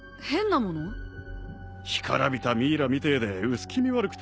干からびたミイラみてえで薄気味悪くてなぁ。